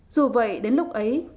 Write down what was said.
dù vậy đến lúc ấy